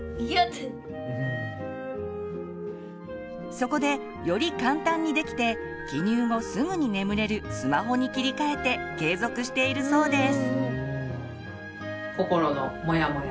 そこでより簡単にできて記入後すぐに眠れるスマホに切り替えて継続しているそうです。